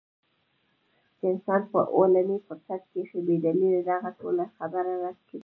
چې انسان پۀ اولني فرصت کښې بې دليله دغه ټوله خبره رد کړي -